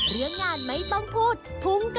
เรื่องงานไม่ต้องพูดถึง